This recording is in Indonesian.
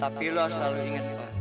tapi lu harus selalu inget pa